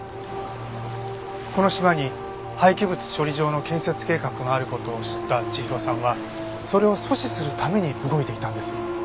この島に廃棄物処理場の建設計画がある事を知った千尋さんはそれを阻止するために動いていたんです。